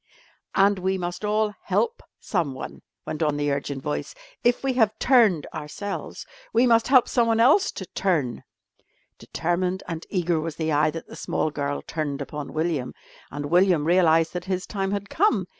"And we must all help someone," went on the urgent voice. "If we have turned ourselves, we must help someone else to turn...." Determined and eager was the eye that the small girl turned upon William, and William realised that his time had come.